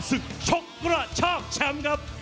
ศึกชกกระชากแชมป์ครับ